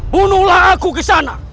bunuhlah aku ke sana